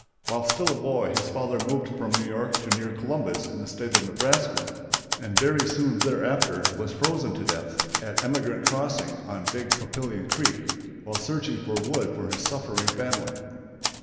While still a boy his father moved from New York to near Columbus in the State of Nebraska, and very soon thereafter was frozen to death at Emigrant Crossing, on Big Papillion Creek, while searching for wood for his suffering family.